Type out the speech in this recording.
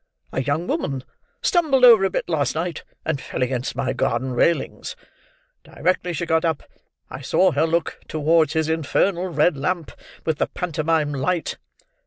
A young woman stumbled over a bit last night, and fell against my garden railings; directly she got up I saw her look towards his infernal red lamp with the pantomime light.